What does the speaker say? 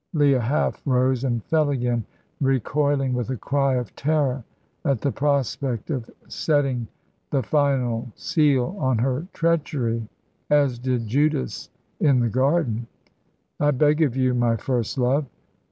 Leah half rose, and fell again, recoiling with a cry of terror at the prospect of setting the final seal on her treachery, as did Judas in the Garden. "I beg of you, my first love.